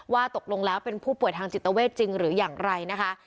ว่าตกลงแล้วเป็นผู้ป่วยทางจิตเวทจริงหรืออย่างไรนะคะ